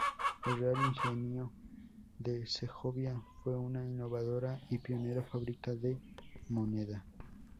El Real Ingenio de Segovia fue una innovadora y pionera fábrica de moneda.